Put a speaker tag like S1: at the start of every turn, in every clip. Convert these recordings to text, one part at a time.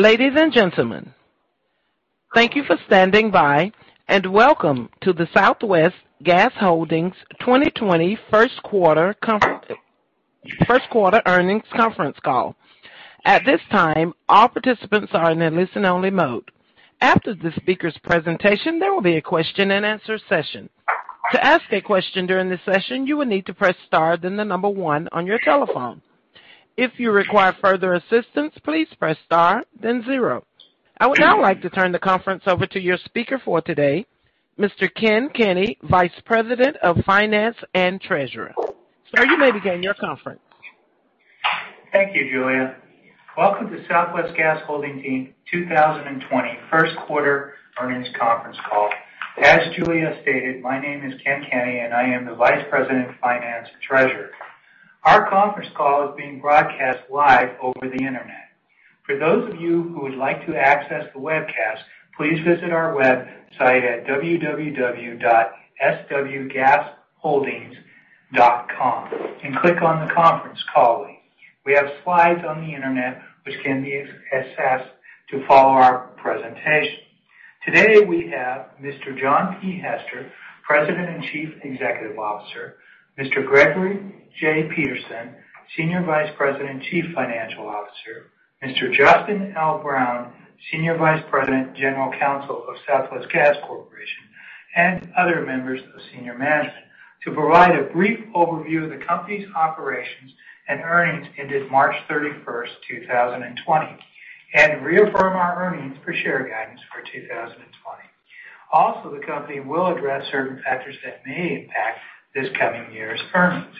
S1: Ladies and gentlemen, thank you for standing by and welcome to the Southwest Gas Holdings 2020 First Quarter Earnings Conference Call. At this time, all participants are in a listen-only mode. After the speaker's presentation, there will be a question-and-answer session. To ask a question during this session, you will need to press star then the number one on your telephone. If you require further assistance, please press star then zero. I would now like to turn the conference over to your speaker for today, Mr. Kenneth Kenny, Vice President of Finance and Treasurer. Sir, you may begin your conference.
S2: Thank you, Julia. Welcome to Southwest Gas Holdings 2020 First Quarter Earnings Conference Call. As Julia stated, my name is Kenneth Kenny, and I am the Vice President of Finance and Treasurer. Our conference call is being broadcast live over the internet. For those of you who would like to access the webcast, please visit our website at www.swgasholdings.com and click on the conference call link. We have slides on the internet which can be accessed to follow our presentation. Today, we have Mr. John P. Hester, President and Chief Executive Officer; Mr. Gregory J. Peterson, Senior Vice President and Chief Financial Officer; Mr. Justin L. Brown, Senior Vice President, General Counsel of Southwest Gas Corporation; and other members of senior management to provide a brief overview of the company's operations and earnings ended March 31, 2020, and reaffirm our earnings per share guidance for 2020. Also, the company will address certain factors that may impact this coming year's earnings.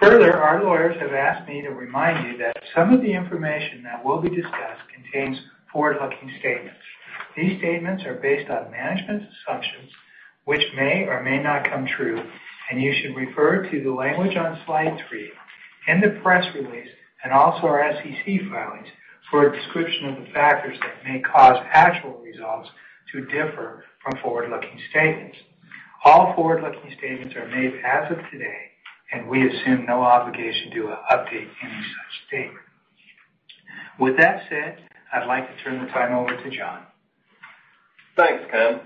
S2: Further, our lawyers have asked me to remind you that some of the information that will be discussed contains forward-looking statements. These statements are based on management's assumptions which may or may not come true, and you should refer to the language on slide three, in the press release, and also our SEC filings for a description of the factors that may cause actual results to differ from forward-looking statements. All forward-looking statements are made as of today, and we assume no obligation to update any such statement. With that said, I'd like to turn the time over to John.
S3: Thanks, Kenneth.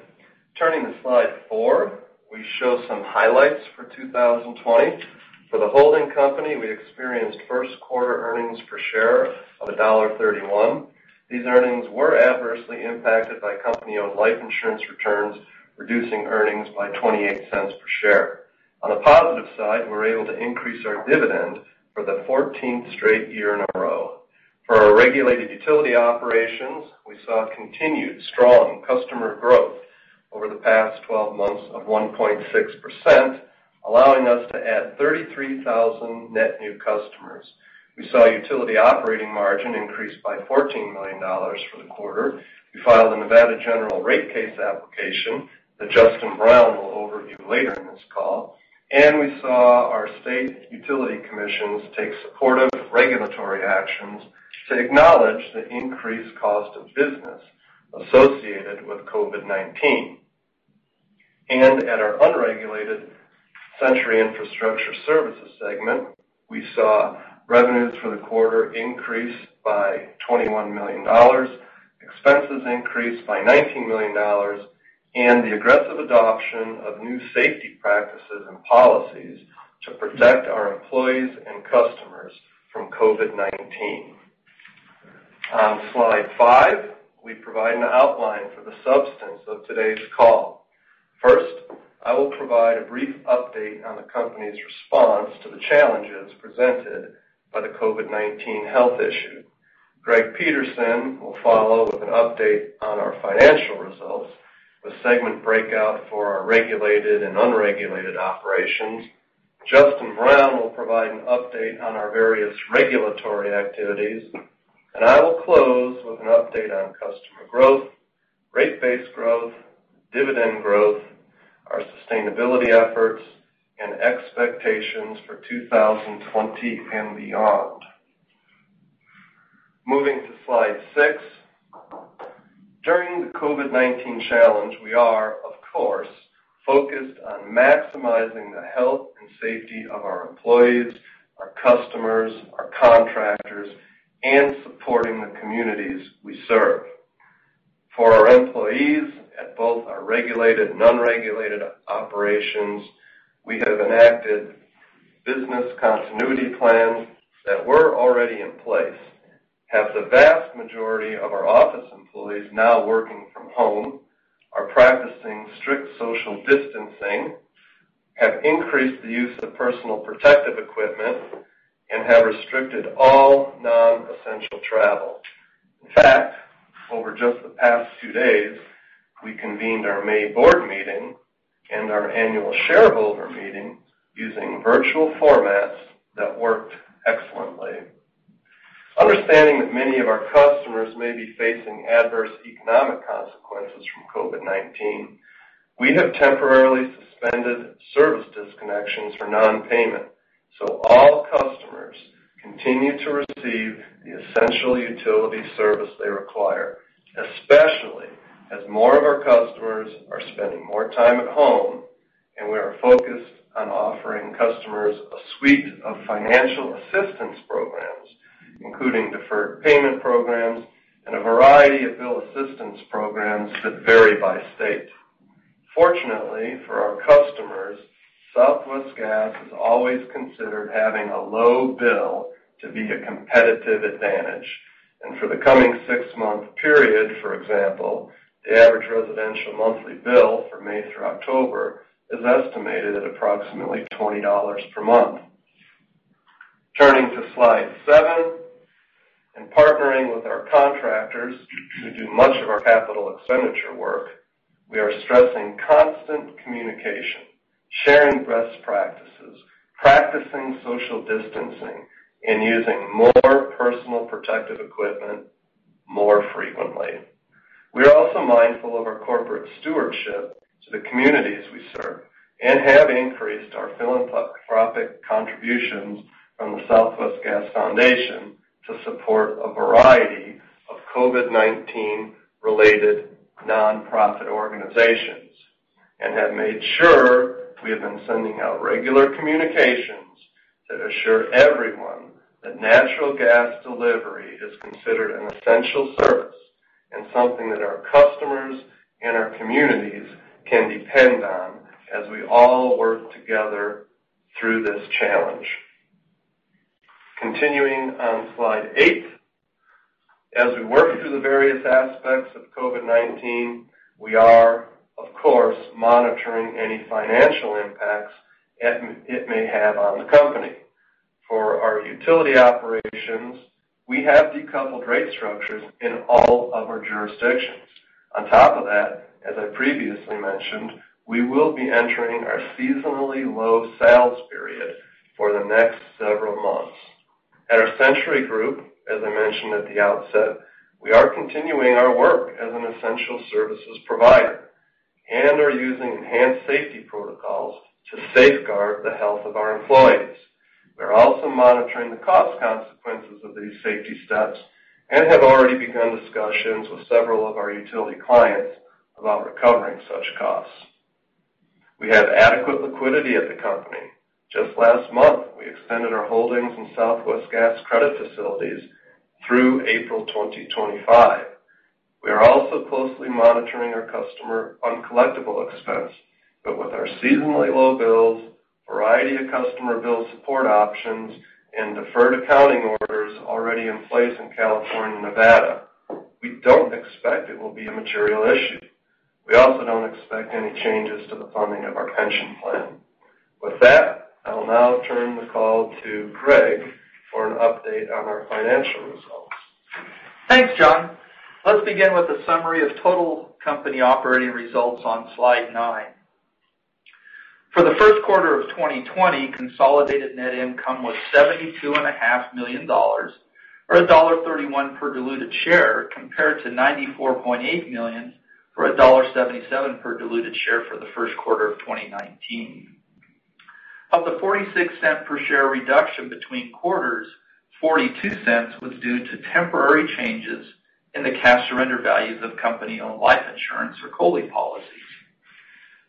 S3: Turning to slide four, we show some highlights for 2020. For the holding company, we experienced first quarter earnings per share of $1.31. These earnings were adversely impacted by company-owned life insurance returns, reducing earnings by $0.28 per share. On the positive side, we were able to increase our dividend for the 14th straight year in a row. For our regulated utility operations, we saw continued strong customer growth over the past 12 months of 1.6%, allowing us to add 33,000 net new customers. We saw utility operating margin increase by $14 million for the quarter. We filed a Nevada general rate case application that Justin Brown will overview later in this call. We saw our state utility commissions take supportive regulatory actions to acknowledge the increased cost of business associated with COVID-19. At our unregulated Centuri Infrastructure Services segment, we saw revenues for the quarter increase by $21 million, expenses increase by $19 million, and the aggressive adoption of new safety practices and policies to protect our employees and customers from COVID-19. On slide five, we provide an outline for the substance of today's call. First, I will provide a brief update on the company's response to the challenges presented by the COVID-19 health issue. Gregory Peterson will follow with an update on our financial results with segment breakout for our regulated and unregulated operations. Justin Brown will provide an update on our various regulatory activities. I will close with an update on customer growth, rate base growth, dividend growth, our sustainability efforts, and expectations for 2020 and beyond. Moving to slide six, during the COVID-19 challenge, we are, of course, focused on maximizing the health and safety of our employees, our customers, our contractors, and supporting the communities we serve. For our employees at both our regulated and unregulated operations, we have enacted business continuity plans that were already in place, have the vast majority of our office employees now working from home, are practicing strict social distancing, have increased the use of personal protective equipment, and have restricted all non-essential travel. In fact, over just the past two days, we convened our May board meeting and our annual shareholder meeting using virtual formats that worked excellently. Understanding that many of our customers may be facing adverse economic consequences from COVID-19, we have temporarily suspended service disconnections for non-payment so all customers continue to receive the essential utility service they require, especially as more of our customers are spending more time at home, and we are focused on offering customers a suite of financial assistance programs, including deferred payment programs and a variety of bill assistance programs that vary by state. Fortunately for our customers, Southwest Gas is always considered having a low bill to be a competitive advantage. For the coming six-month period, for example, the average residential monthly bill for May through October is estimated at approximately $20 per month. Turning to slide seven, in partnering with our contractors who do much of our capital expenditure work, we are stressing constant communication, sharing best practices, practicing social distancing, and using more personal protective equipment more frequently. We are also mindful of our corporate stewardship to the communities we serve and have increased our philanthropic contributions from the Southwest Gas Foundation to support a variety of COVID-19-related nonprofit organizations and have made sure we have been sending out regular communications to assure everyone that natural gas delivery is considered an essential service and something that our customers and our communities can depend on as we all work together through this challenge. Continuing on slide eight, as we work through the various aspects of COVID-19, we are, of course, monitoring any financial impacts it may have on the company. For our utility operations, we have decoupled rate structures in all of our jurisdictions. On top of that, as I previously mentioned, we will be entering our seasonally low sales period for the next several months. At our Centuri Group, as I mentioned at the outset, we are continuing our work as an essential services provider and are using enhanced safety protocols to safeguard the health of our employees. We're also monitoring the cost consequences of these safety steps and have already begun discussions with several of our utility clients about recovering such costs. We have adequate liquidity at the company. Just last month, we extended our holdings in Southwest Gas credit facilities through April 2025. We are also closely monitoring our customer uncollectible expense, but with our seasonally low bills, variety of customer bill support options, and deferred accounting orders already in place in California, Nevada, we don't expect it will be a material issue. We also don't expect any changes to the funding of our pension plan. With that, I'll now turn the call to Gregory for an update on our financial results.
S4: Thanks, John. Let's begin with a summary of total company operating results on slide nine. For the first quarter of 2020, consolidated net income was $72.5 million or $1.31 per diluted share compared to $94.8 million or $1.77 per diluted share for the first quarter of 2019. Of the $0.46 per share reduction between quarters, $0.42 was due to temporary changes in the cash surrender values of company-owned life insurance or COLI policies.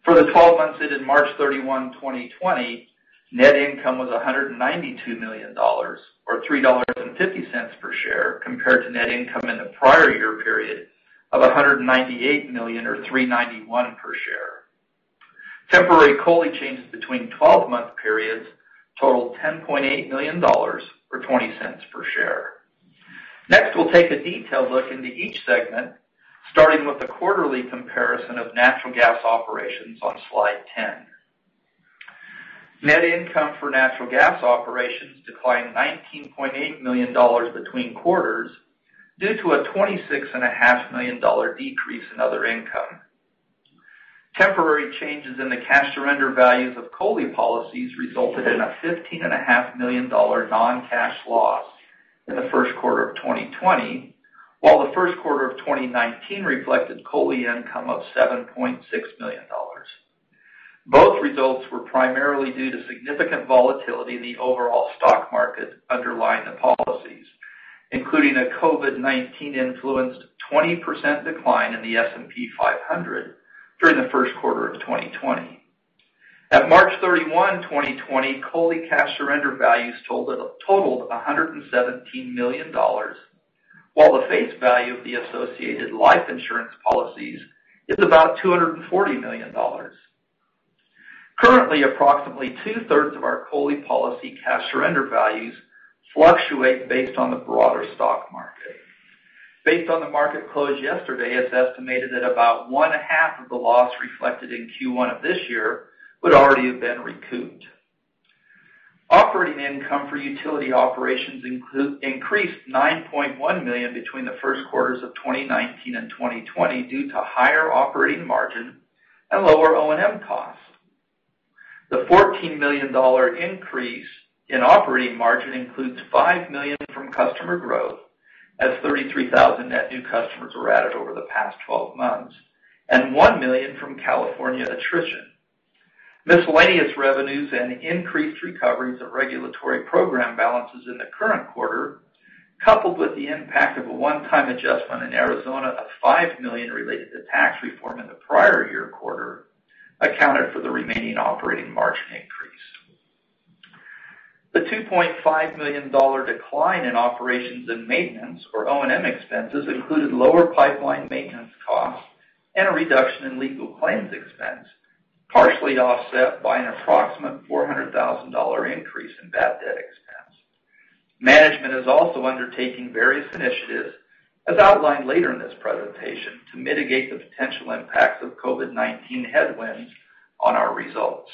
S4: For the 12 months ended March 31, 2020, net income was $192 million or $3.50 per share compared to net income in the prior year period of $198 million or $3.91 per share. Temporary COLI changes between 12-month periods totaled $10.8 million or $0.20 per share. Next, we'll take a detailed look into each segment, starting with a quarterly comparison of natural gas operations on slide 10. Net income for natural gas operations declined $19.8 million between quarters due to a $26.5 million decrease in other income. Temporary changes in the cash surrender values of COLI policies resulted in a $15.5 million non-cash loss in the first quarter of 2020, while the first quarter of 2019 reflected COLI income of $7.6 million. Both results were primarily due to significant volatility in the overall stock market underlying the policies, including a COVID-19-influenced 20% decline in the S&P 500 during the first quarter of 2020. At March 31, 2020, COLI cash surrender values totaled $117 million, while the face value of the associated life insurance policies is about $240 million. Currently, approximately two-thirds of our COLI policy cash surrender values fluctuate based on the broader stock market. Based on the market close yesterday, it's estimated that about one-half of the loss reflected in Q1 of this year would already have been recouped. Operating income for utility operations increased $9.1 million between the first quarters of 2019 and 2020 due to higher operating margin and lower O&M costs. The $14 million increase in operating margin includes $5 million from customer growth, as 33,000 net new customers were added over the past 12 months, and $1 million from California attrition. Miscellaneous revenues and increased recoveries of regulatory program balances in the current quarter, coupled with the impact of a one-time adjustment in Arizona of $5 million related to tax reform in the prior year quarter, accounted for the remaining operating margin increase. The $2.5 million decline in operations and maintenance or O&M expenses included lower pipeline maintenance costs and a reduction in legal claims expense, partially offset by an approximate $400,000 increase in bad debt expense. Management is also undertaking various initiatives, as outlined later in this presentation, to mitigate the potential impacts of COVID-19 headwinds on our results.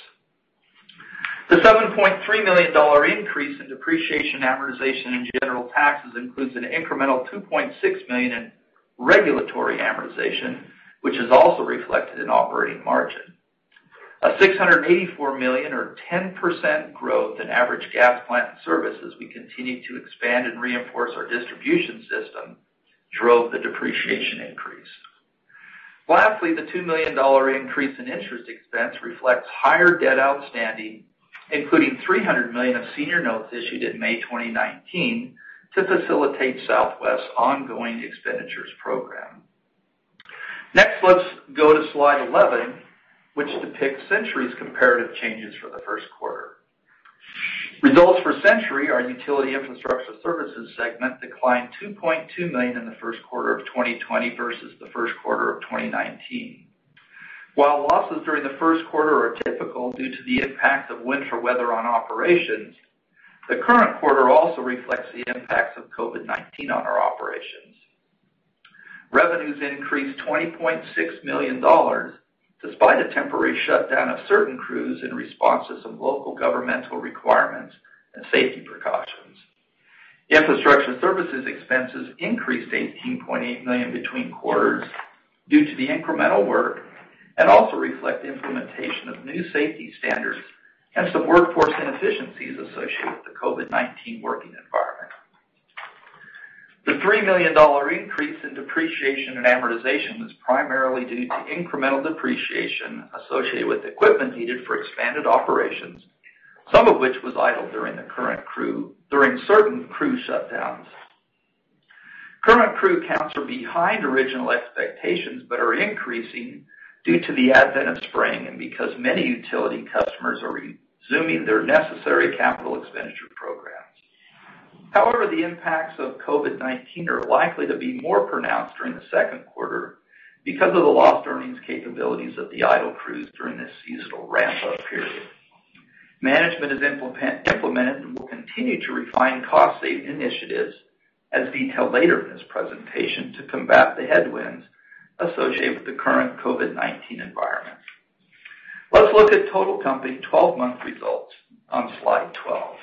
S4: The $7.3 million increase in depreciation amortization and general taxes includes an incremental $2.6 million in regulatory amortization, which is also reflected in operating margin. A $684 million or 10% growth in average gas plant services as we continue to expand and reinforce our distribution system drove the depreciation increase. Lastly, the $2 million increase in interest expense reflects higher debt outstanding, including $300 million of senior notes issued in May 2019 to facilitate Southwest's ongoing expenditures program. Next, let's go to slide 11, which depicts Centuri's comparative changes for the first quarter. Results for Centuri, our utility infrastructure services segment, declined $2.2 million in the first quarter of 2020 versus the first quarter of 2019. While losses during the first quarter are typical due to the impact of winter weather on operations, the current quarter also reflects the impacts of COVID-19 on our operations. Revenues increased $20.6 million despite a temporary shutdown of certain crews in response to some local governmental requirements and safety precautions. Infrastructure services expenses increased $18.8 million between quarters due to the incremental work and also reflect the implementation of new safety standards and some workforce inefficiencies associated with the COVID-19 working environment. The $3 million increase in depreciation and amortization was primarily due to incremental depreciation associated with equipment needed for expanded operations, some of which was idled during certain crew shutdowns. Current crew counts are behind original expectations but are increasing due to the advent of spring and because many utility customers are resuming their necessary capital expenditure programs. However, the impacts of COVID-19 are likely to be more pronounced during the second quarter because of the lost earnings capabilities of the idle crews during this seasonal ramp-up period. Management has implemented and will continue to refine cost-saving initiatives, as detailed later in this presentation, to combat the headwinds associated with the current COVID-19 environment. Let's look at total company 12-month results on slide 12.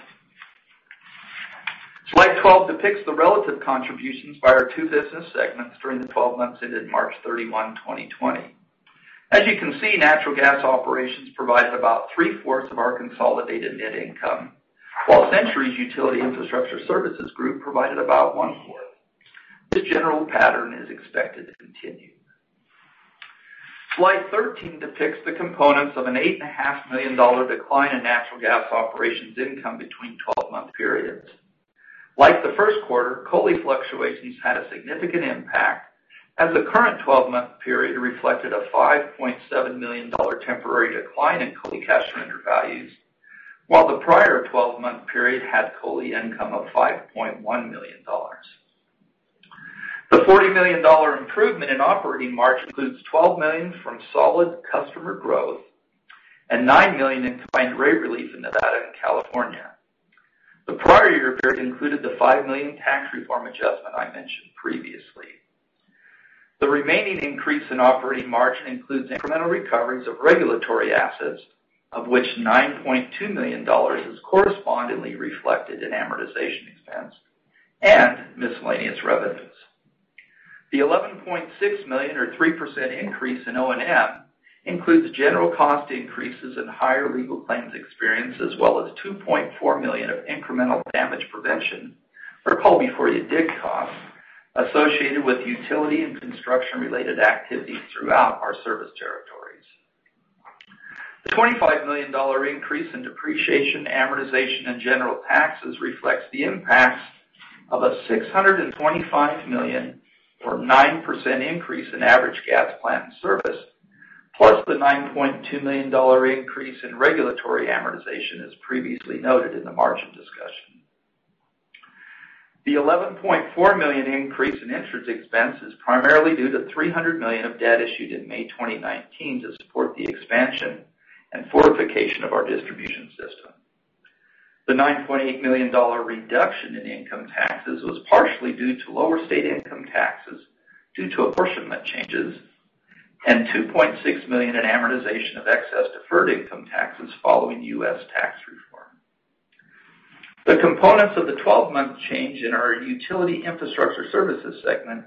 S4: Slide 12 depicts the relative contributions by our two business segments during the 12 months ended March 31, 2020. As you can see, natural gas operations provided about three-fourths of our consolidated net income, while Centuri's utility infrastructure services group provided about one-fourth. This general pattern is expected to continue. Slide 13 depicts the components of an $8.5 million decline in natural gas operations income between 12-month periods. Like the first quarter, COLI fluctuations had a significant impact as the current 12-month period reflected a $5.7 million temporary decline in COLI cash surrender values, while the prior 12-month period had COLI income of $5.1 million. The $40 million improvement in operating margin includes $12 million from solid customer growth and $9 million in combined rate relief in Nevada and California. The prior year period included the $5 million tax reform adjustment I mentioned previously. The remaining increase in operating margin includes incremental recoveries of regulatory assets, of which $9.2 million is correspondingly reflected in amortization expense and miscellaneous revenues. The $11.6 million or 3% increase in O&M includes general cost increases and higher legal claims experience, as well as $2.4 million of incremental damage prevention or call-before-you-dig costs associated with utility and construction-related activities throughout our service territories. The $25 million increase in depreciation, amortization, and general taxes reflects the impacts of a $625 million or 9% increase in average gas plant service, plus the $9.2 million increase in regulatory amortization as previously noted in the margin discussion. The $11.4 million increase in interest expense is primarily due to $300 million of debt issued in May 2019 to support the expansion and fortification of our distribution system. The $9.8 million reduction in income taxes was partially due to lower state income taxes due to apportionment changes and $2.6 million in amortization of excess deferred income taxes following U.S. tax reform. The components of the 12-month change in our utility infrastructure services segment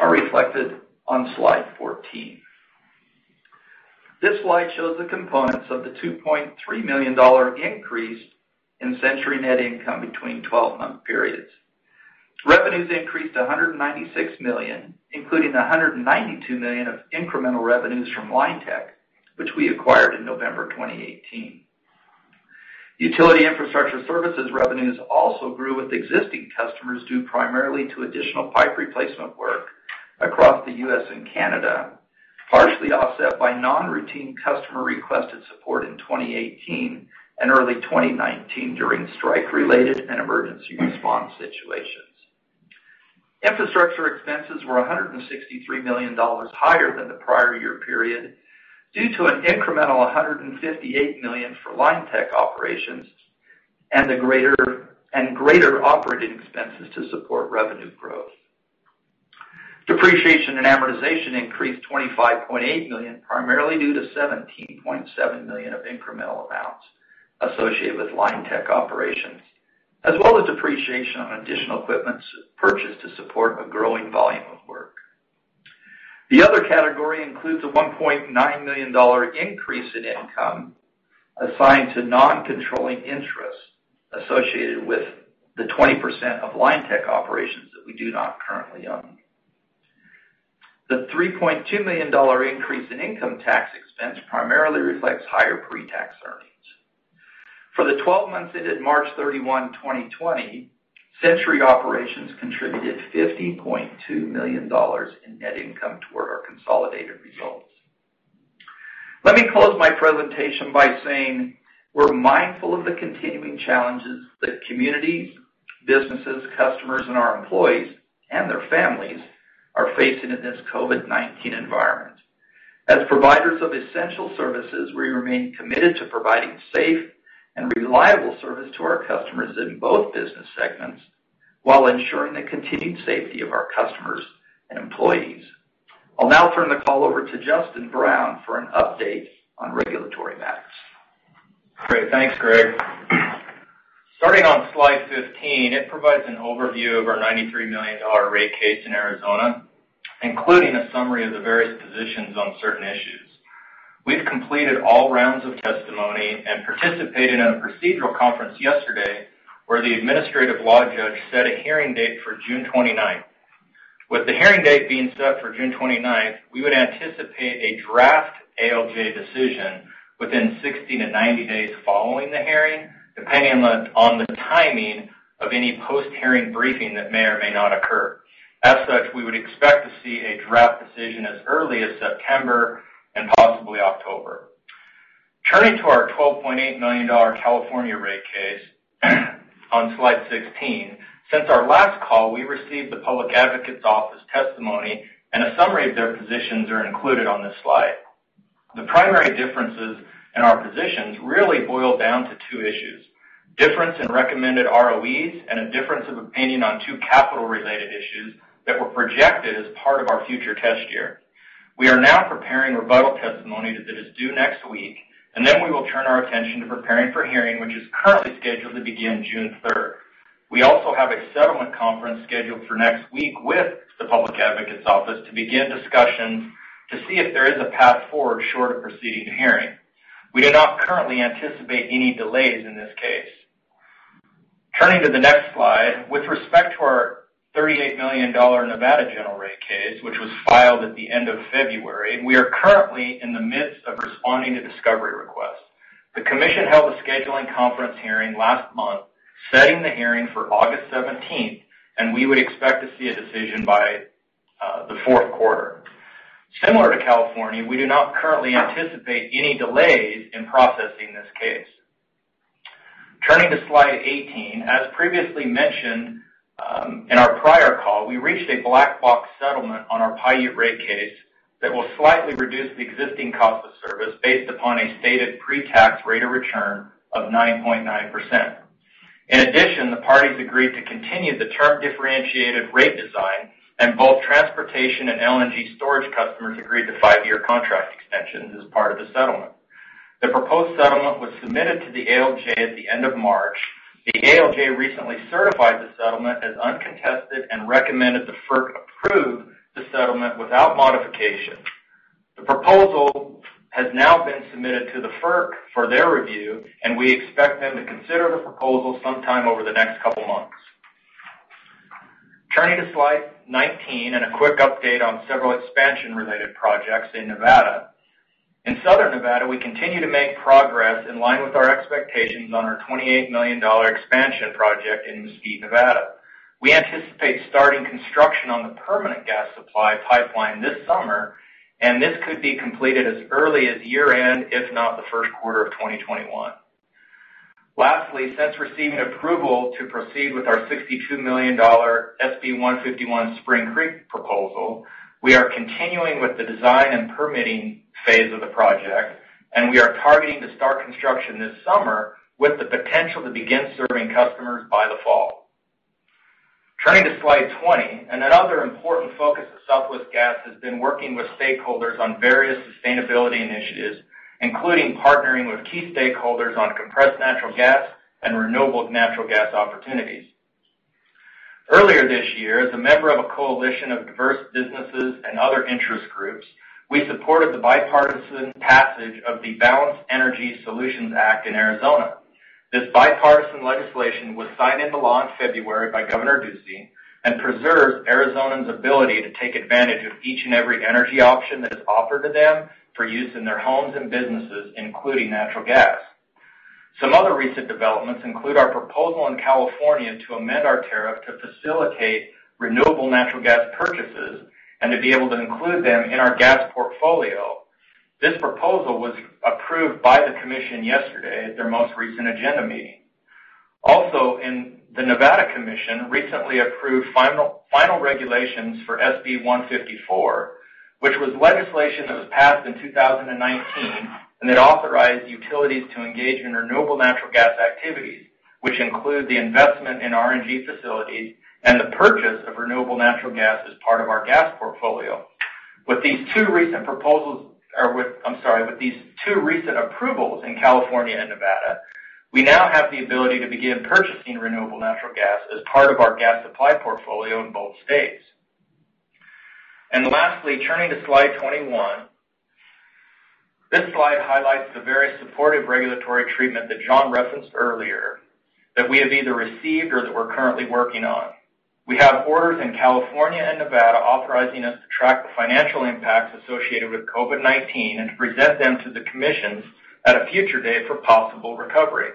S4: are reflected on slide 14. This slide shows the components of the $2.3 million increase in Centuri net income between 12-month periods. Revenues increased to $196 million, including $192 million of incremental revenues from Linetec, which we acquired in November 2018. Utility infrastructure services revenues also grew with existing customers due primarily to additional pipe replacement work across the U.S. and Canada, partially offset by non-routine customer requested support in 2018 and early 2019 during strike-related and emergency response situations. Infrastructure expenses were $163 million higher than the prior year period due to an incremental $158 million for Linetec operations and greater operating expenses to support revenue growth. Depreciation and amortization increased $25.8 million, primarily due to $17.7 million of incremental amounts associated with Linetec operations, as well as depreciation on additional equipment purchased to support a growing volume of work. The other category includes a $1.9 million increase in income assigned to non-controlling interest associated with the 20% of Linetec operations that we do not currently own. The $3.2 million increase in income tax expense primarily reflects higher pre-tax earnings. For the 12 months ended March 31, 2020, Centuri operations contributed $50.2 million in net income toward our consolidated results. Let me close my presentation by saying we're mindful of the continuing challenges that communities, businesses, customers, and our employees and their families are facing in this COVID-19 environment. As providers of essential services, we remain committed to providing safe and reliable service to our customers in both business segments while ensuring the continued safety of our customers and employees. I'll now turn the call over to Justin Brown for an update on regulatory matters.
S5: Great. Thanks, Gregory. Starting on slide 15, it provides an overview of our $93 million rate case in Arizona, including a summary of the various positions on certain issues. We've completed all rounds of testimony and participated in a procedural conference yesterday where the administrative law judge set a hearing date for June 29. With the hearing date being set for June 29, we would anticipate a draft AOJ decision within 60-90 days following the hearing, depending on the timing of any post-hearing briefing that may or may not occur. As such, we would expect to see a draft decision as early as September and possibly October. Turning to our $12.8 million California rate case on slide 16, since our last call, we received the public advocate's office testimony, and a summary of their positions is included on this slide. The primary differences in our positions really boil down to two issues: difference in recommended ROEs and a difference of opinion on two capital-related issues that were projected as part of our future test year. We are now preparing rebuttal testimony that is due next week, and then we will turn our attention to preparing for hearing, which is currently scheduled to begin June 3rd. We also have a settlement conference scheduled for next week with the public advocate's office to begin discussions to see if there is a path forward short of proceeding to hearing. We do not currently anticipate any delays in this case. Turning to the next slide, with respect to our $38 million Nevada general rate case, which was filed at the end of February, we are currently in the midst of responding to discovery requests. The commission held a scheduling conference hearing last month, setting the hearing for August 17th, and we would expect to see a decision by the fourth quarter. Similar to California, we do not currently anticipate any delays in processing this case. Turning to slide 18, as previously mentioned in our prior call, we reached a black box settlement on our paye rate case that will slightly reduce the existing cost of service based upon a stated pre-tax rate of return of 9.9%. In addition, the parties agreed to continue the term-differentiated rate design, and both transportation and LNG storage customers agreed to five-year contract extensions as part of the settlement. The proposed settlement was submitted to the AOJ at the end of March. The AOJ recently certified the settlement as uncontested and recommended the FERC approve the settlement without modification. The proposal has now been submitted to the FERC for their review, and we expect them to consider the proposal sometime over the next couple of months. Turning to slide 19 and a quick update on several expansion-related projects in Nevada. In southern Nevada, we continue to make progress in line with our expectations on our $28 million expansion project in Mesquite, Nevada. We anticipate starting construction on the permanent gas supply pipeline this summer, and this could be completed as early as year-end, if not the first quarter of 2021. Lastly, since receiving approval to proceed with our $62 million SB 151 Spring Creek proposal, we are continuing with the design and permitting phase of the project, and we are targeting to start construction this summer with the potential to begin serving customers by the fall. Turning to slide 20, another important focus of Southwest Gas has been working with stakeholders on various sustainability initiatives, including partnering with key stakeholders on compressed natural gas and renewable natural gas opportunities. Earlier this year, as a member of a coalition of diverse businesses and other interest groups, we supported the bipartisan passage of the Balanced Energy Solutions Act in Arizona. This bipartisan legislation was signed into law in February by Governor Ducey and preserves Arizona's ability to take advantage of each and every energy option that is offered to them for use in their homes and businesses, including natural gas. Some other recent developments include our proposal in California to amend our tariff to facilitate renewable natural gas purchases and to be able to include them in our gas portfolio. This proposal was approved by the commission yesterday at their most recent agenda meeting. Also, the Nevada commission recently approved final regulations for SB 154, which was legislation that was passed in 2019, and it authorized utilities to engage in renewable natural gas activities, which include the investment in RNG facilities and the purchase of renewable natural gas as part of our gas portfolio. With these two recent approvals in California and Nevada, we now have the ability to begin purchasing renewable natural gas as part of our gas supply portfolio in both states. Lastly, turning to slide 21, this slide highlights the various supportive regulatory treatment that John referenced earlier that we have either received or that we're currently working on. We have orders in California and Nevada authorizing us to track the financial impacts associated with COVID-19 and to present them to the commissions at a future date for possible recovery.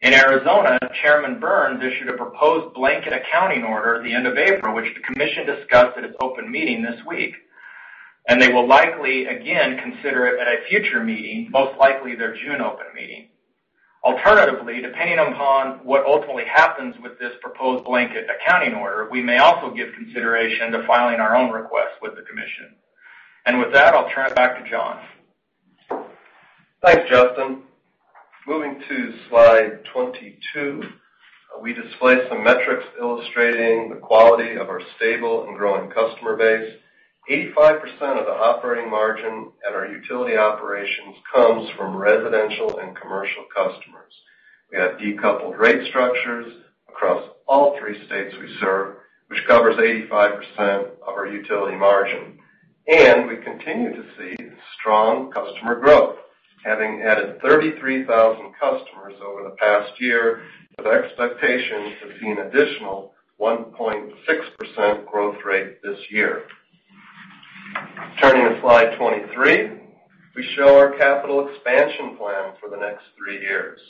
S5: In Arizona, Chairman Burns issued a proposed blanket accounting order at the end of April, which the commission discussed at its open meeting this week, and they will likely again consider it at a future meeting, most likely their June open meeting. Alternatively, depending upon what ultimately happens with this proposed blanket accounting order, we may also give consideration to filing our own request with the commission. With that, I'll turn it back to John.
S3: Thanks, Justin. Moving to slide 22, we display some metrics illustrating the quality of our stable and growing customer base. 85% of the operating margin at our utility operations comes from residential and commercial customers. We have decoupled rate structures across all three states we serve, which covers 85% of our utility margin. We continue to see strong customer growth, having added 33,000 customers over the past year with expectations of seeing an additional 1.6% growth rate this year. Turning to slide 23, we show our capital expansion plan for the next three years.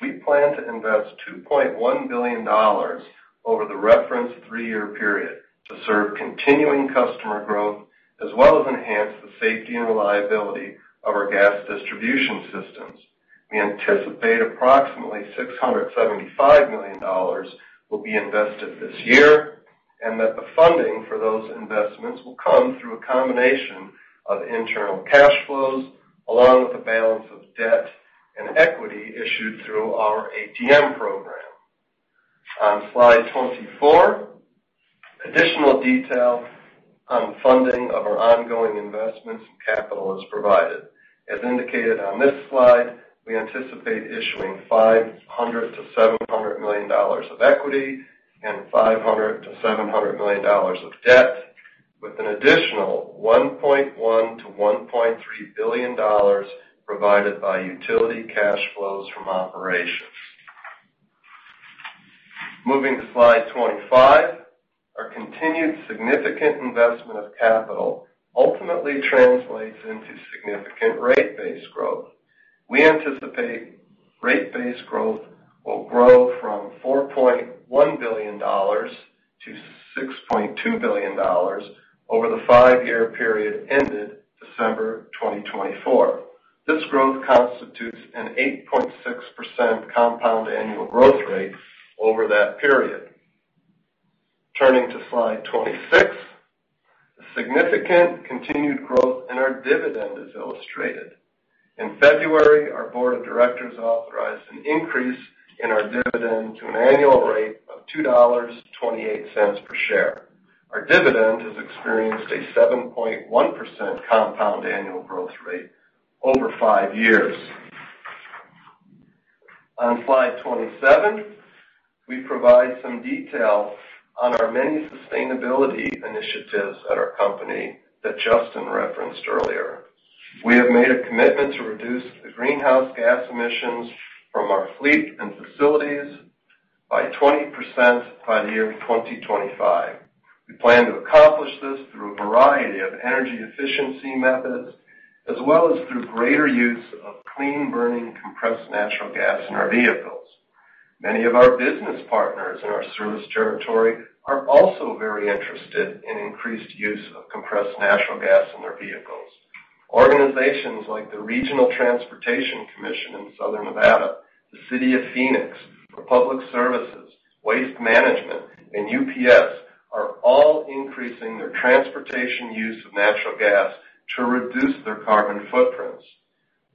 S3: We plan to invest $2.1 billion over the reference three-year period to serve continuing customer growth as well as enhance the safety and reliability of our gas distribution systems. We anticipate approximately $675 million will be invested this year and that the funding for those investments will come through a combination of internal cash flows along with a balance of debt and equity issued through our ATM program. On slide 24, additional detail on funding of our ongoing investments and capital is provided. As indicated on this slide, we anticipate issuing $500 million-$700 million of equity and $500 million-$700 million of debt, with an additional $1.1 billion-$1.3 billion provided by utility cash flows from operations. Moving to slide 25, our continued significant investment of capital ultimately translates into significant rate-based growth. We anticipate rate-based growth will grow from $4.1 billion to $6.2 billion over the five-year period ended December 2024. This growth constitutes an 8.6% compound annual growth rate over that period. Turning to slide 26, significant continued growth in our dividend is illustrated. In February, our board of directors authorized an increase in our dividend to an annual rate of $2.28 per share. Our dividend has experienced a 7.1% compound annual growth rate over five years. On slide 27, we provide some detail on our many sustainability initiatives at our company that Justin referenced earlier. We have made a commitment to reduce the greenhouse gas emissions from our fleet and facilities by 20% by the year 2025. We plan to accomplish this through a variety of energy efficiency methods, as well as through greater use of clean-burning compressed natural gas in our vehicles. Many of our business partners in our service territory are also very interested in increased use of compressed natural gas in their vehicles. Organizations like the Regional Transportation Commission in Southern Nevada, the City of Phoenix, for public services, Waste Management, and UPS are all increasing their transportation use of natural gas to reduce their carbon footprints.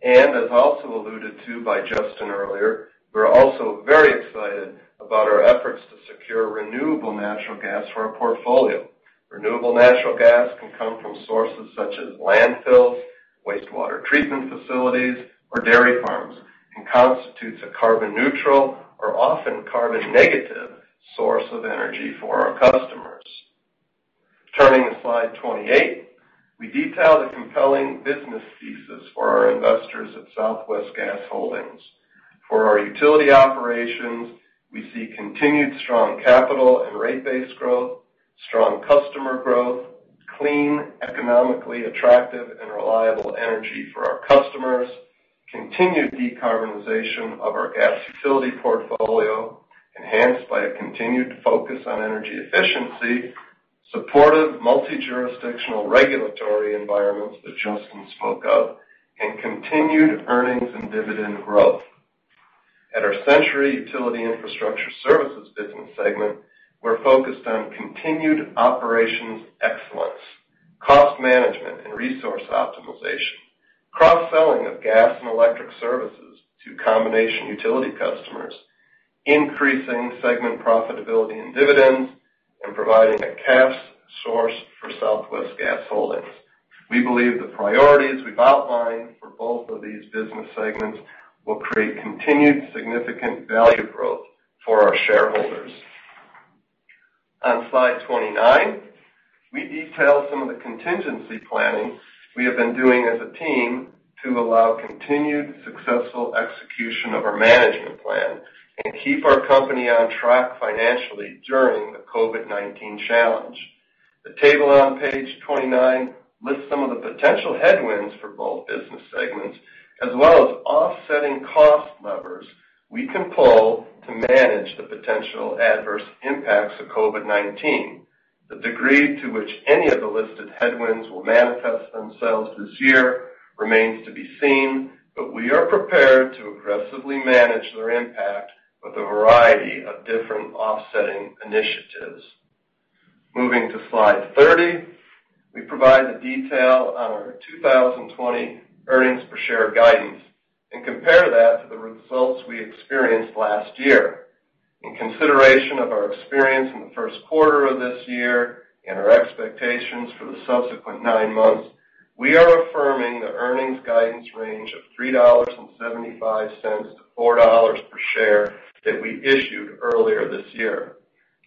S3: As also alluded to by Justin earlier, we're also very excited about our efforts to secure renewable natural gas for our portfolio. Renewable natural gas can come from sources such as landfills, wastewater treatment facilities, or dairy farms, and constitutes a carbon-neutral or often carbon-negative source of energy for our customers. Turning to slide 28, we detail the compelling business thesis for our investors at Southwest Gas Holdings. For our utility operations, we see continued strong capital and rate base growth, strong customer growth, clean, economically attractive, and reliable energy for our customers, continued decarbonization of our gas utility portfolio enhanced by a continued focus on energy efficiency, supportive multi-jurisdictional regulatory environments that Justin spoke of, and continued earnings and dividend growth. At our Centuri Utility Infrastructure Services business segment, we are focused on continued operations excellence, cost management, and resource optimization, cross-selling of gas and electric services to combination utility customers, increasing segment profitability and dividends, and providing a cash source for Southwest Gas Holdings. We believe the priorities we've outlined for both of these business segments will create continued significant value growth for our shareholders. On slide 29, we detail some of the contingency planning we have been doing as a team to allow continued successful execution of our management plan and keep our company on track financially during the COVID-19 challenge. The table on page 29 lists some of the potential headwinds for both business segments, as well as offsetting cost levers we can pull to manage the potential adverse impacts of COVID-19. The degree to which any of the listed headwinds will manifest themselves this year remains to be seen, but we are prepared to aggressively manage their impact with a variety of different offsetting initiatives. Moving to slide 30, we provide the detail on our 2020 earnings per share guidance and compare that to the results we experienced last year. In consideration of our experience in the first quarter of this year and our expectations for the subsequent nine months, we are affirming the earnings guidance range of $3.75-$4 per share that we issued earlier this year.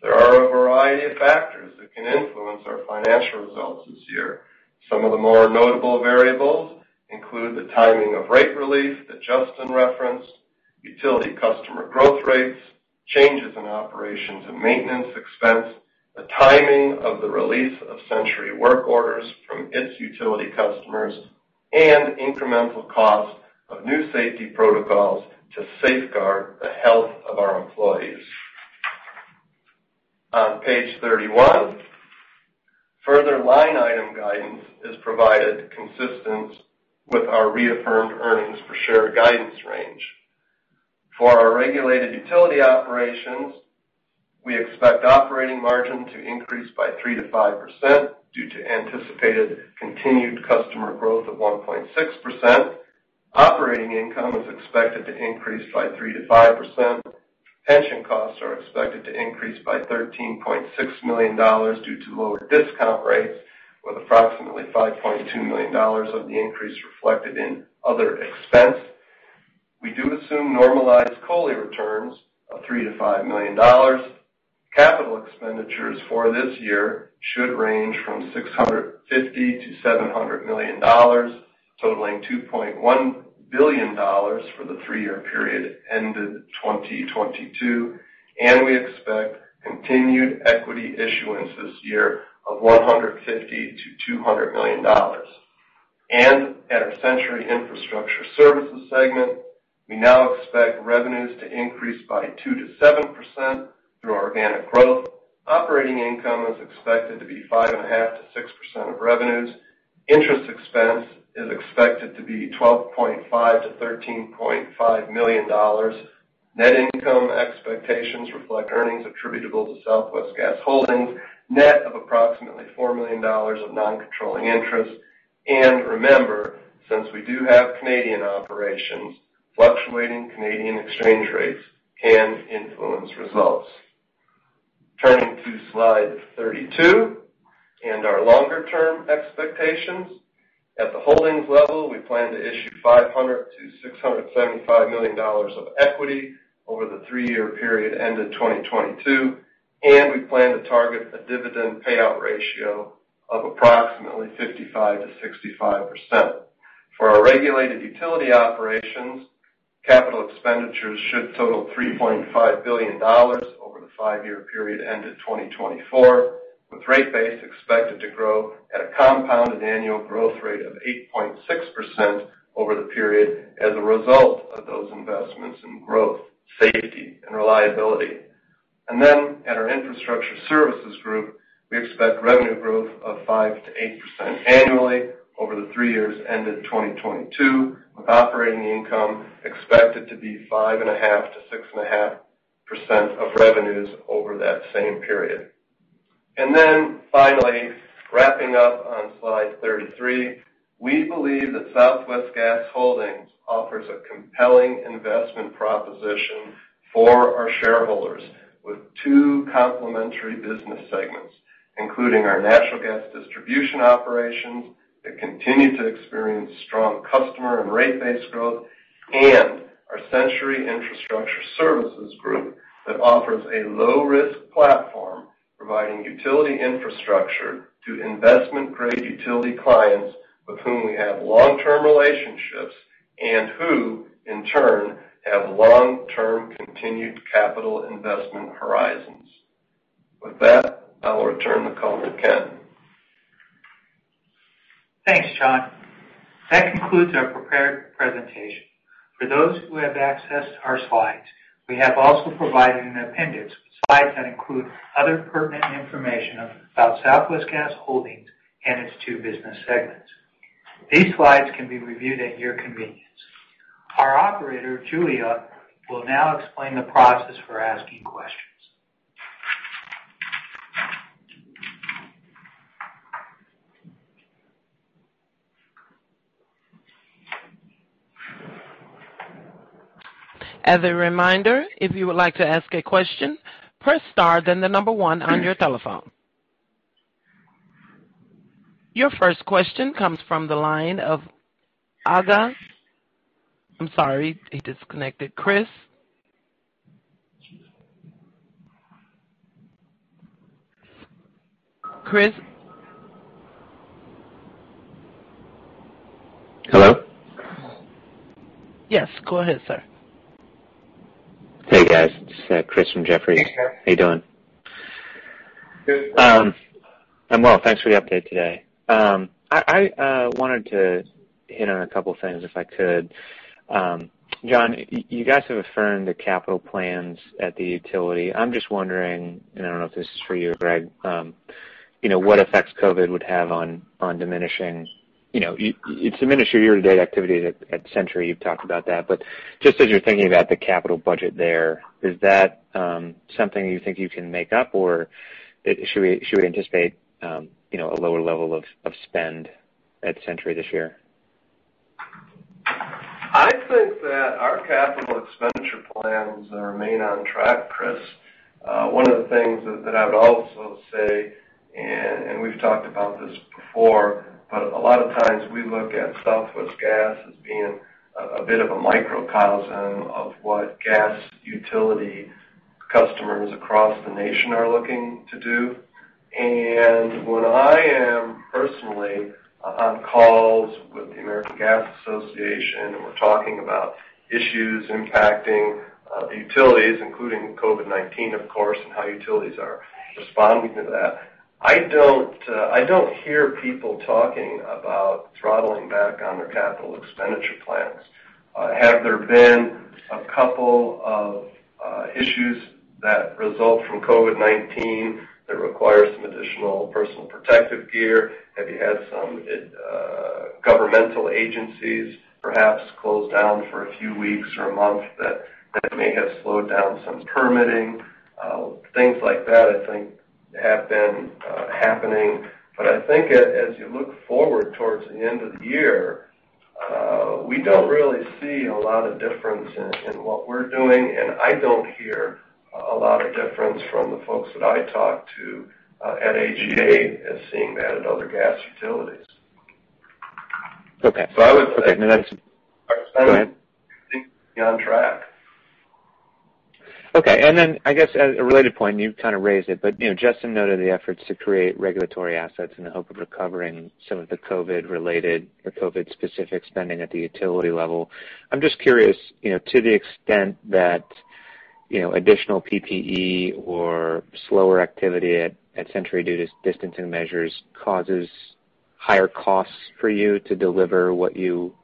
S3: There are a variety of factors that can influence our financial results this year. Some of the more notable variables include the timing of rate relief that Justin referenced, utility customer growth rates, changes in operations and maintenance expense, the timing of the release of Centuri work orders from its utility customers, and incremental costs of new safety protocols to safeguard the health of our employees. On page 31, further line item guidance is provided consistent with our reaffirmed earnings per share guidance range. For our regulated utility operations, we expect operating margin to increase by 3%-5% due to anticipated continued customer growth of 1.6%. Operating income is expected to increase by 3-5%. Pension costs are expected to increase by $13.6 million due to lower discount rates, with approximately $5.2 million of the increase reflected in other expense. We do assume normalized COLI returns of $3-5 million. Capital expenditures for this year should range from $650-700 million, totaling $2.1 billion for the three-year period ended 2022, and we expect continued equity issuance this year of $150-200 million. At our Centuri Infrastructure Services segment, we now expect revenues to increase by 2-7% through organic growth. Operating income is expected to be 5.5-6% of revenues. Interest expense is expected to be $12.5-13.5 million. Net income expectations reflect earnings attributable to Southwest Gas Holdings, net of approximately $4 million of non-controlling interest. Remember, since we do have Canadian operations, fluctuating Canadian exchange rates can influence results. Turning to slide 32 and our longer-term expectations. At the holdings level, we plan to issue $500 million-$675 million of equity over the three-year period ended 2022, and we plan to target a dividend payout ratio of approximately 55%-65%. For our regulated utility operations, capital expenditures should total $3.5 billion over the five-year period ended 2024, with rate base expected to grow at a compounded annual growth rate of 8.6% over the period as a result of those investments in growth, safety, and reliability. At our infrastructure services group, we expect revenue growth of 5%-8% annually over the three years ended 2022, with operating income expected to be 5.5%-6.5% of revenues over that same period. Finally, wrapping up on slide 33, we believe that Southwest Gas Holdings offers a compelling investment proposition for our shareholders with two complementary business segments, including our natural gas distribution operations that continue to experience strong customer and rate base growth, and our Centuri Infrastructure Services group that offers a low-risk platform providing utility infrastructure to investment-grade utility clients with whom we have long-term relationships and who, in turn, have long-term continued capital investment horizons. With that, I'll return the call to Kenneth.
S2: Thanks, John. That concludes our prepared presentation. For those who have accessed our slides, we have also provided an appendix with slides that include other pertinent information about Southwest Gas Holdings and its two business segments. These slides can be reviewed at your convenience. Our operator, Julia, will now explain the process for asking questions.
S1: As a reminder, if you would like to ask a question, press star, then the number one on your telephone. Your first question comes from the line of Aga. I'm sorry, he disconnected. Christopher. Christopher.
S6: Hello?
S1: Yes, go ahead, sir.
S6: Hey, guys. This is Christopher from Jefferies. How you doing? I'm well. Thanks for the update today. I wanted to hit on a couple of things if I could. John, you guys have affirmed the capital plans at the utility. I'm just wondering, and I don't know if this is for you or Gregory, what effects COVID would have on diminishing—it's diminished your year-to-date activity at Centuri. You've talked about that. Just as you're thinking about the capital budget there, is that something you think you can make up, or should we anticipate a lower level of spend at Centuri this year?
S3: I think that our capital expenditure plans remain on track, Christopher. One of the things that I would also say, and we've talked about this before, a lot of times we look at Southwest Gas as being a bit of a microcosm of what gas utility customers across the nation are looking to do. When I am personally on calls with the American Gas Association and we're talking about issues impacting the utilities, including COVID-19, of course, and how utilities are responding to that, I don't hear people talking about throttling back on their capital expenditure plans. Have there been a couple of issues that result from COVID-19 that require some additional personal protective gear? Have you had some governmental agencies perhaps close down for a few weeks or a month that may have slowed down some permitting? Things like that, I think, have been happening. I think as you look forward towards the end of the year, we do not really see a lot of difference in what we are doing, and I do not hear a lot of difference from the folks that I talk to at Aga as seeing that at other gas utilities. I would say.
S6: Okay. No, that's—go ahead. I think we're on track. Okay. I guess a related point, and you kind of raised it, but Justin noted the efforts to create regulatory assets in the hope of recovering some of the COVID-related or COVID-specific spending at the utility level. I'm just curious, to the extent that additional PPE or slower activity at Centuri due to distancing measures causes higher costs for you to deliver what you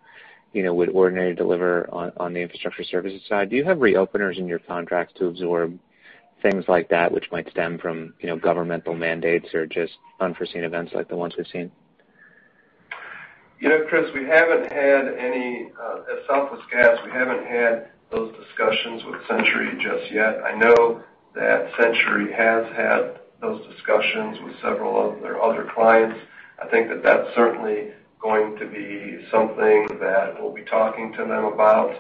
S6: would ordinarily deliver on the infrastructure services side, do you have reopeners in your contracts to absorb things like that, which might stem from governmental mandates or just unforeseen events like the ones we've seen?
S3: Christopher, we have not had any—at Southwest Gas, we have not had those discussions with Centuri just yet. I know that Centuri has had those discussions with several of their other clients. I think that is certainly going to be something that we will be talking to them about.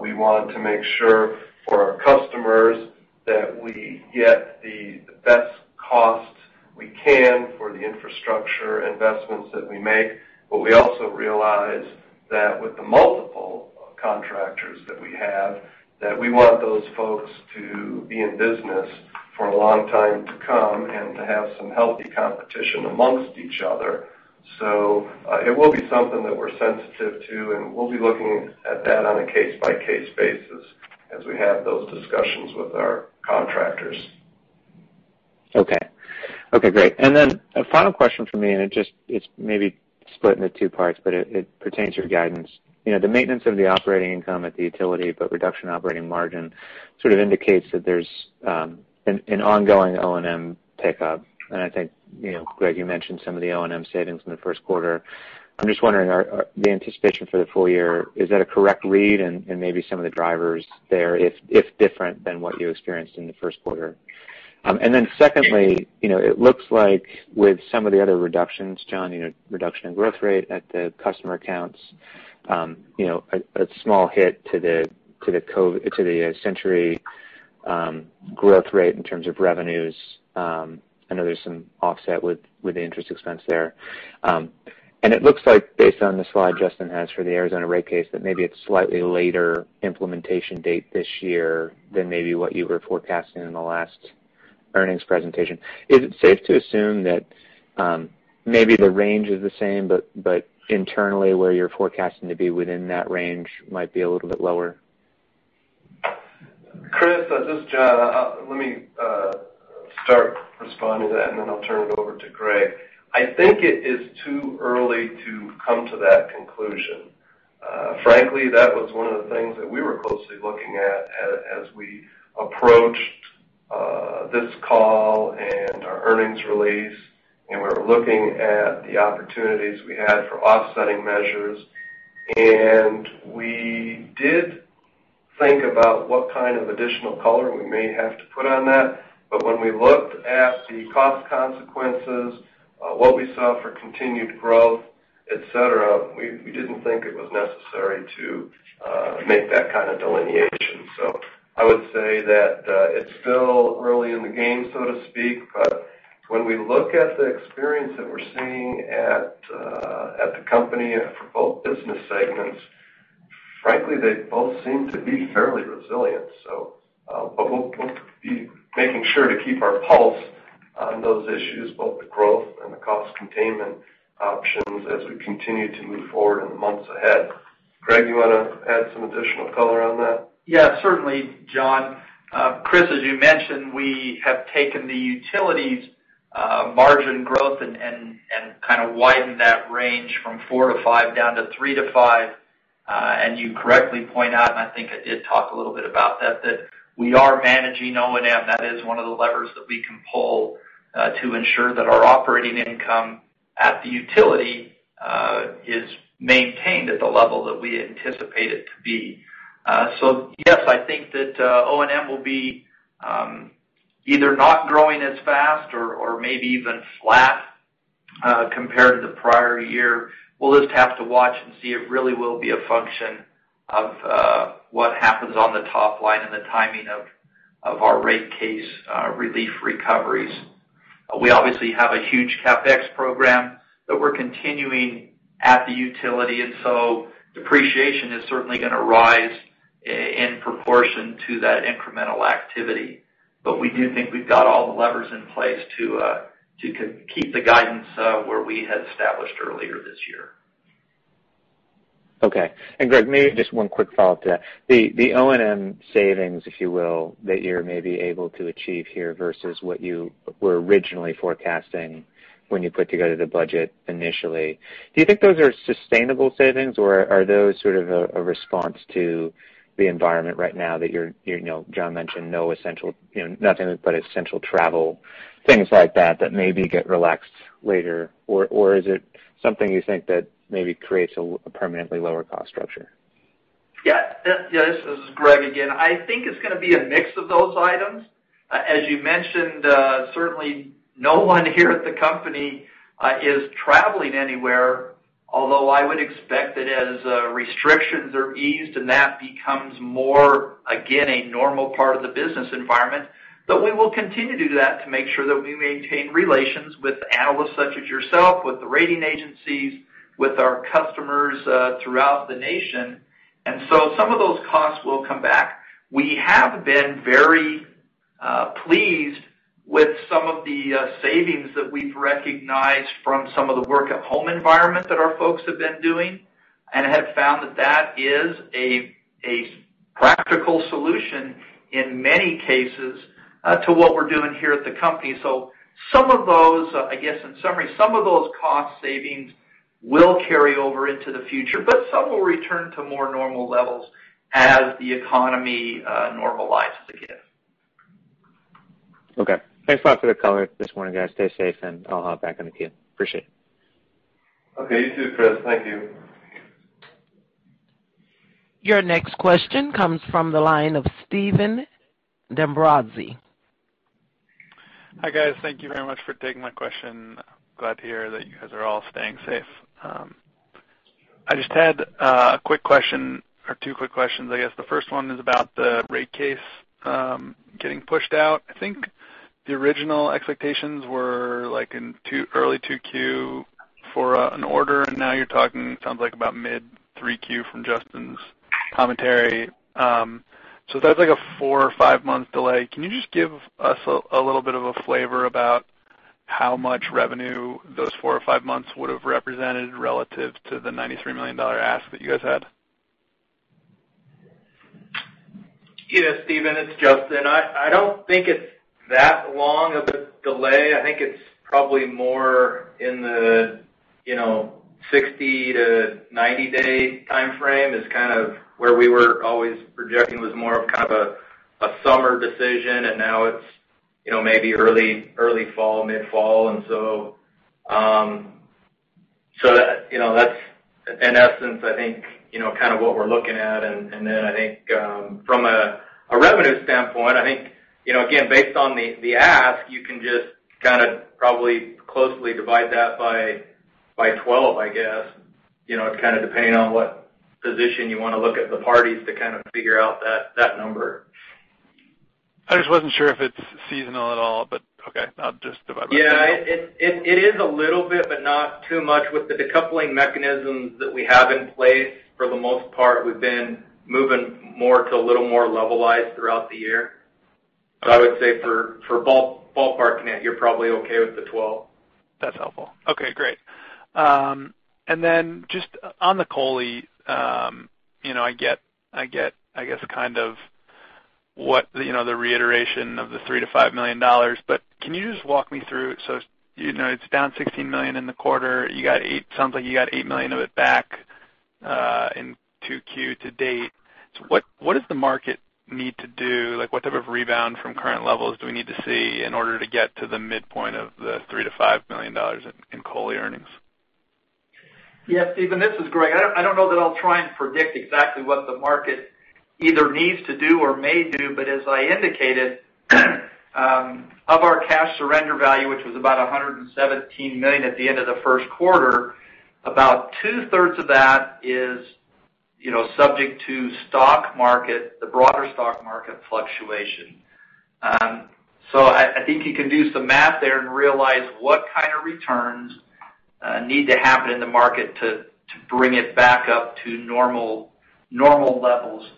S3: We want to make sure for our customers that we get the best costs we can for the infrastructure investments that we make. We also realize that with the multiple contractors that we have, we want those folks to be in business for a long time to come and to have some healthy competition amongst each other. It will be something that we are sensitive to, and we will be looking at that on a case-by-case basis as we have those discussions with our contractors.
S6: Okay. Okay. Great. A final question for me, and it's maybe split into two parts, but it pertains to your guidance. The maintenance of the operating income at the utility but reduction in operating margin sort of indicates that there's an ongoing O&M pickup. I think, Gregory, you mentioned some of the O&M savings in the first quarter. I'm just wondering, the anticipation for the full year, is that a correct read? Maybe some of the drivers there, if different, than what you experienced in the first quarter. Secondly, it looks like with some of the other reductions, John, reduction in growth rate at the customer accounts, a small hit to the Centuri growth rate in terms of revenues. I know there's some offset with the interest expense there. It looks like, based on the slide Justin has for the Arizona rate case, that maybe it's a slightly later implementation date this year than maybe what you were forecasting in the last earnings presentation. Is it safe to assume that maybe the range is the same, but internally, where you're forecasting to be within that range might be a little bit lower?
S3: Christopher, just let me start responding to that, and then I'll turn it over to Gregory. I think it is too early to come to that conclusion. Frankly, that was one of the things that we were closely looking at as we approached this call and our earnings release, and we were looking at the opportunities we had for offsetting measures. We did think about what kind of additional color we may have to put on that. When we looked at the cost consequences, what we saw for continued growth, etc., we didn't think it was necessary to make that kind of delineation. I would say that it's still early in the game, so to speak. When we look at the experience that we're seeing at the company for both business segments, frankly, they both seem to be fairly resilient. We'll be making sure to keep our pulse on those issues, both the growth and the cost containment options, as we continue to move forward in the months ahead. Gregory, you want to add some additional color on that?
S4: Yeah, certainly, John. Christopher, as you mentioned, we have taken the utilities' margin growth and kind of widened that range from 4-5 down to 3-5. You correctly point out, and I think I did talk a little bit about that, that we are managing O&M. That is one of the levers that we can pull to ensure that our operating income at the utility is maintained at the level that we anticipate it to be. Yes, I think that O&M will be either not growing as fast or maybe even flat compared to the prior year. We'll just have to watch and see if it really will be a function of what happens on the top line and the timing of our rate case relief recoveries. We obviously have a huge CapEx program that we're continuing at the utility, and depreciation is certainly going to rise in proportion to that incremental activity. We do think we've got all the levers in place to keep the guidance where we had established earlier this year.
S6: Okay. Gregory, maybe just one quick follow-up to that. The O&M savings, if you will, that you're maybe able to achieve here versus what you were originally forecasting when you put together the budget initially, do you think those are sustainable savings, or are those sort of a response to the environment right now that John mentioned, no essential, nothing but essential travel, things like that, that maybe get relaxed later? Is it something you think that maybe creates a permanently lower cost structure?
S4: Yeah. Yeah. This is Gregory again. I think it's going to be a mix of those items. As you mentioned, certainly no one here at the company is traveling anywhere, although I would expect that as restrictions are eased and that becomes more, again, a normal part of the business environment. We will continue to do that to make sure that we maintain relations with analysts such as yourself, with the rating agencies, with our customers throughout the nation. Some of those costs will come back. We have been very pleased with some of the savings that we've recognized from some of the work-at-home environment that our folks have been doing and have found that that is a practical solution in many cases to what we're doing here at the company. I guess in summary, some of those cost savings will carry over into the future, but some will return to more normal levels as the economy normalizes again.
S6: Okay. Thanks a lot for the color this morning, guys. Stay safe, and I'll hop back in the queue. Appreciate it.
S4: Okay. You too, Christopher. Thank you.
S1: Your next question comes from the line of Stephen D'Ambrisi.
S7: Hi, guys. Thank you very much for taking my question. Glad to hear that you guys are all staying safe. I just had a quick question or two quick questions, I guess. The first one is about the rate case getting pushed out. I think the original expectations were in early 2Q for an order, and now you're talking, it sounds like, about mid-3Q from Justin's commentary. That is like a four or five-month delay. Can you just give us a little bit of a flavor about how much revenue those four or five months would have represented relative to the $93 million ask that you guys had?
S5: Yeah, Stephen, it's Justin. I don't think it's that long of a delay. I think it's probably more in the 60-90 day timeframe is kind of where we were always projecting was more of kind of a summer decision, and now it's maybe early fall, mid-fall. That is, in essence, I think, kind of what we're looking at. I think from a revenue standpoint, I think, again, based on the ask, you can just kind of probably closely divide that by 12, I guess. It's kind of depending on what position you want to look at the parties to kind of figure out that number.
S7: I just wasn't sure if it's seasonal at all, but okay. I'll just divide by 12.
S5: Yeah. It is a little bit, but not too much with the decoupling mechanisms that we have in place. For the most part, we've been moving more to a little more levelized throughout the year. I would say for ballparking it, you're probably okay with the 12.
S7: That's helpful. Okay. Great. And then just on the COLI, I get, I guess, kind of the reiteration of the $3 million-$5 million. But can you just walk me through? It is down $16 million in the quarter. It sounds like you got $8 million of it back in 2Q to date. What does the market need to do? What type of rebound from current levels do we need to see in order to get to the midpoint of the $3 million-$5 million in COLI earnings?
S4: Yeah. Stephen, this is Gregory. I don't know that I'll try and predict exactly what the market either needs to do or may do. As I indicated, of our cash surrender value, which was about $117 million at the end of the first quarter, about two-thirds of that is subject to stock market, the broader stock market fluctuation. I think you can do some math there and realize what kind of returns need to happen in the market to bring it back up to normal levels.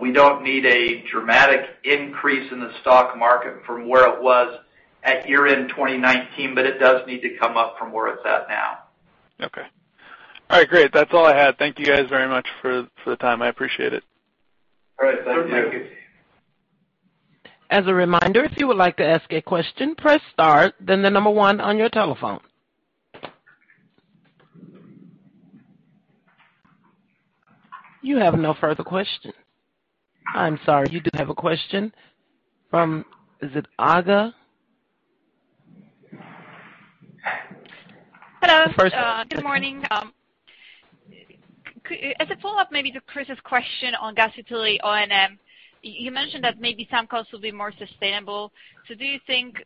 S4: We don't need a dramatic increase in the stock market from where it was at year-end 2019, but it does need to come up from where it's at now.
S7: Okay. All right. Great. That's all I had. Thank you guys very much for the time. I appreciate it.
S5: All right. Thank you.
S4: Thank you.
S1: As a reminder, if you would like to ask a question, press star, then the number one on your telephone. You have no further questions. I'm sorry. You do have a question from, is it Aga? Hello. Good morning. As a follow-up, maybe to Chris's question on gas utility O&M, you mentioned that maybe some costs will be more sustainable. Do you think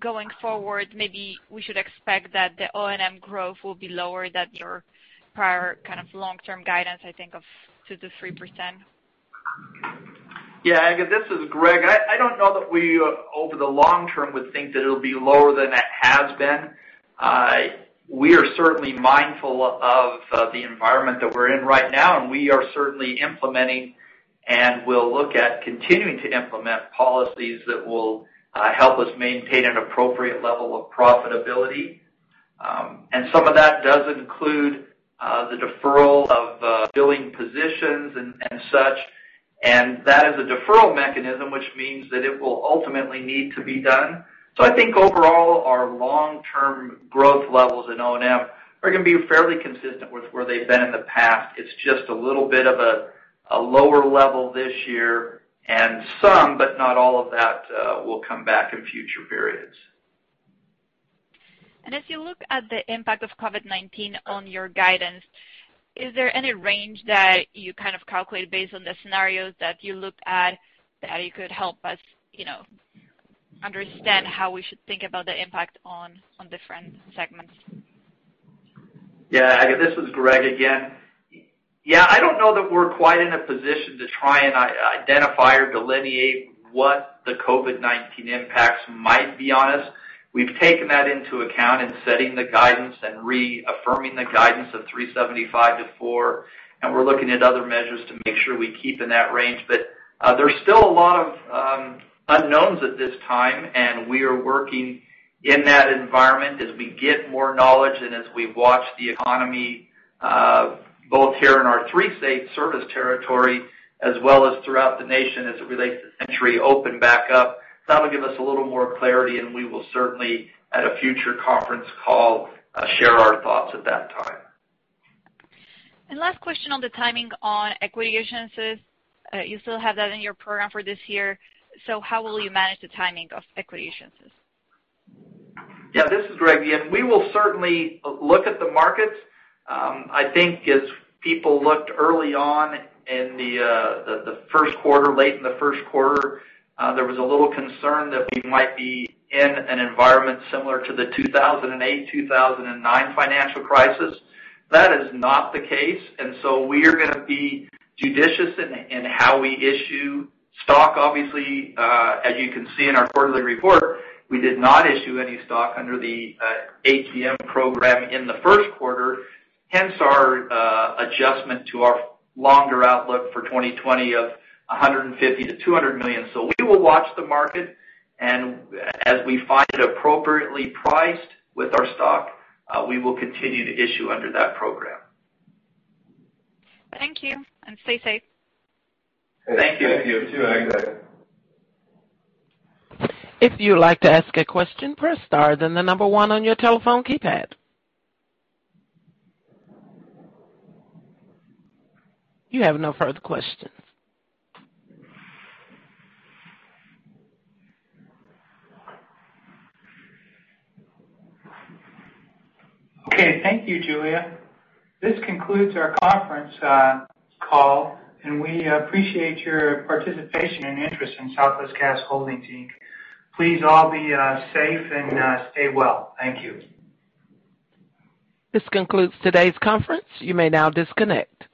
S1: going forward, maybe we should expect that the O&M growth will be lower than your prior kind of long-term guidance, I think, of 2-3%?
S4: Yeah. This is Gregory. I don't know that we, over the long term, would think that it'll be lower than it has been. We are certainly mindful of the environment that we're in right now, and we are certainly implementing and will look at continuing to implement policies that will help us maintain an appropriate level of profitability. Some of that does include the deferral of billing positions and such. That is a deferral mechanism, which means that it will ultimately need to be done. I think overall, our long-term growth levels in O&M are going to be fairly consistent with where they've been in the past. It's just a little bit of a lower level this year, and some, but not all of that, will come back in future periods. As you look at the impact of COVID-19 on your guidance, is there any range that you kind of calculate based on the scenarios that you look at that you could help us understand how we should think about the impact on different segments?
S1: Yeah. This is Gregory again. Yeah. I don't know that we're quite in a position to try and identify or delineate what the COVID-19 impacts might be on us. We've taken that into account in setting the guidance and reaffirming the guidance of $3.75-$4. And we're looking at other measures to make sure we keep in that range. There is still a lot of unknowns at this time, and we are working in that environment as we get more knowledge and as we watch the economy, both here in our three-state service territory as well as throughout the nation as it relates to Centuri opening back up. That will give us a little more clarity, and we will certainly, at a future conference call, share our thoughts at that time. Last question on the timing on equity issuances. You still have that in your program for this year. How will you manage the timing of equity issuances?
S4: Yeah. This is Gregory again. We will certainly look at the markets. I think as people looked early on in the first quarter, late in the first quarter, there was a little concern that we might be in an environment similar to the 2008, 2009 financial crisis. That is not the case. We are going to be judicious in how we issue stock. Obviously, as you can see in our quarterly report, we did not issue any stock under the ATM program in the first quarter, hence our adjustment to our longer outlook for 2020 of $150 million-$200 million. We will watch the market. As we find it appropriately priced with our stock, we will continue to issue under that program. Thank you. Stay safe. Thank you.
S7: Thank you. You too, Gregory.
S1: If you'd like to ask a question, press Star, then the number one on your telephone keypad. You have no further questions.
S3: Okay. Thank you, Julia. This concludes our conference call, and we appreciate your participation and interest in Southwest Gas Holdings. Please all be safe and stay well. Thank you.
S1: This concludes today's conference. You may now disconnect.